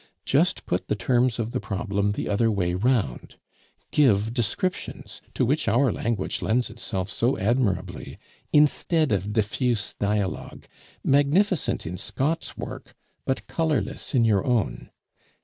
Just put the terms of the problem the other way round. Give descriptions, to which our language lends itself so admirably, instead of diffuse dialogue, magnificent in Scott's work, but colorless in your own.